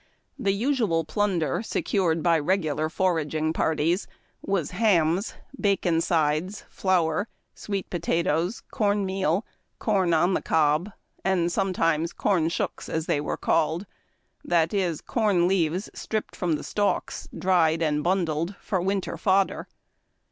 The usual [)lunder secured by regular foraging parties was hams, bacon sides, flour, sweet potatoes, corn meal, corn on the cob, and sometimes corn shooks as they were called, that is, corn leaves stripped from the stalks, dried and bundled, for winter fodder.